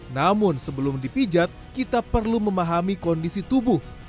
namun sebelum dipijat kita perlu memahami kondisi tubuh